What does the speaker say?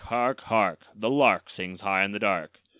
hark! hark! The lark sings high in the dark.